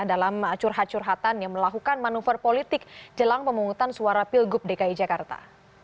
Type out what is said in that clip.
dalam curhat curhatan yang melakukan manuver politik jelang pemungutan suara pilgub dki jakarta